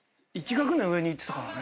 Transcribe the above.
１学年上に言ってたからね。